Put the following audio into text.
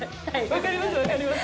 わかりますわかります。